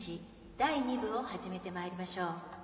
第２部を始めて参りましょう。